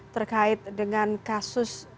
terkait dengan kasus